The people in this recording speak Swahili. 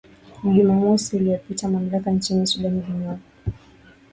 gu jumamosi iliopita mamlaka nchini sudan zimewakamata wanaharakati na waandishi wa habari kadhaa